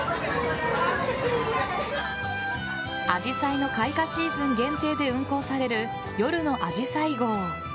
アジサイの開花シーズン限定で運行される夜のあじさい号。